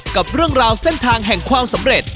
กับเรื่องราวเส้นทางแห่งความสำเร็จ